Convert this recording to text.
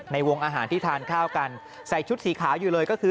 ในวงอาหารที่ทานข้าวกันใส่ชุดสีขาวอยู่เลยก็คือ